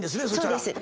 そうです。